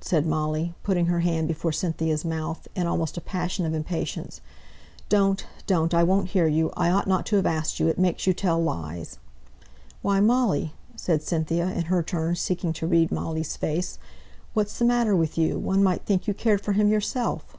said Molly, putting her hand before Cynthia's mouth, in almost a passion of impatience. "Don't, don't I won't hear you I ought not to have asked you it makes you tell lies!" "Why, Molly!" said Cynthia, in her turn seeking to read Molly's face, "what's the matter with you? One might think you cared for him yourself."